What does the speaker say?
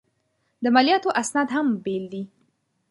د مالیاتو اسناد هم بېل دي.